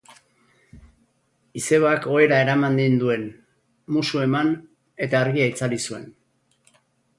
Izebak ohera eraman ninduen, musu eman, eta argia itzali zuen.